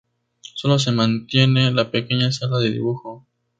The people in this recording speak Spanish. Sólo se mantiene la pequeña sala de dibujo.